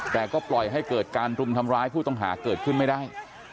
แต่ก็ปล่อยให้เกิดการรุมทำร้ายผู้ต้องหาเกิดขึ้นไม่ได้